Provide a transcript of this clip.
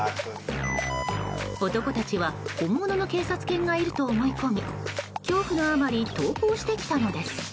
男たちは本物の警察犬がいると思い込み恐怖のあまり投降してきたのです。